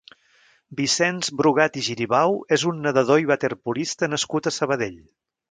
Vicenç Brugat i Giribau és un nedador i waterpolista nascut a Sabadell.